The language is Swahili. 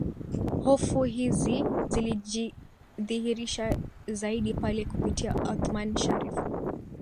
Hofu hizi zilijidhihirisha zaidi pale kupitia Othman Sharrif